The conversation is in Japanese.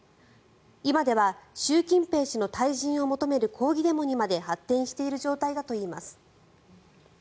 今では習近平氏の退陣を求める抗議デモにまで発展している状態だといいます。